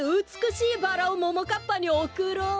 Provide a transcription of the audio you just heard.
バラをももかっぱにおくろう。